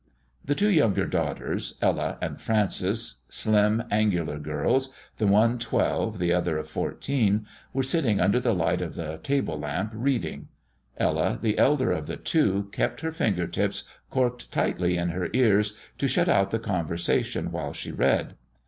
The two younger daughters, Ella and Frances slim, angular girls the one of twelve, the other of fourteen, were sitting under the light of the table lamp reading. Ella, the elder of the two, kept her finger tips corked tightly in her ears to shut out the conversation while she read.